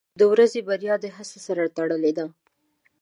• د ورځې بریا د هڅو سره تړلې ده.